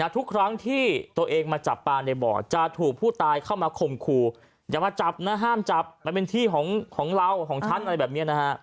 ทุกครั้งที่ตัวเองมาจับปลาในบ่อจะถูกผู้ตายเข้ามาข่มขู่อย่ามาจับนะห้ามจับมันเป็นที่ของเราของฉันอะไรแบบนี้นะฮะ